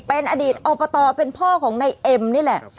เป็นอดีตอบตเป็นพ่อของนายเอ็มนี่แหละ